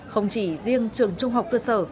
không chỉ riêng trường trung học cơ sở